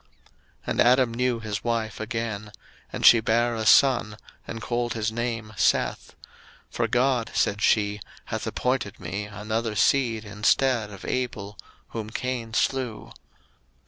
01:004:025 And Adam knew his wife again; and she bare a son, and called his name Seth: For God, said she, hath appointed me another seed instead of Abel, whom Cain slew.